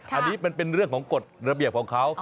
อันนี้มันเป็นเรื่องของกฎระเบียบของเขา